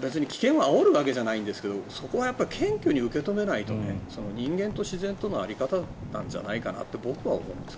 別に危険をあおるわけじゃないんですけどそこは謙虚に受け止めないと人間と自然との在り方なんじゃないかなって僕は思います。